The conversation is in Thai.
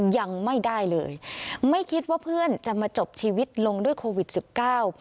ยังไม่ได้เลยไม่คิดว่าเพื่อนจะมาจบชีวิตลงด้วยโควิดสิบเก้า